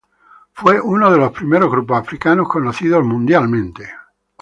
Fue uno de los primeros grupos africanos conocidos mundialmente.